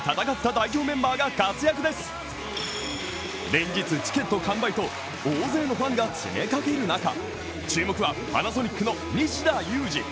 連日チケット完売と大勢のファンが詰めかける中、注目は、パナソニックの西田有志。